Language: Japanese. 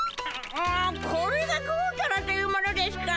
んこれがぐーたらというものですか。